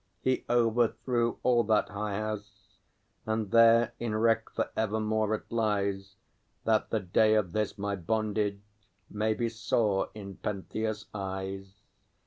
He overthrew All that high house. And there in wreck for evermore it lies, That the day of this my bondage may be sore in Pentheus' eyes!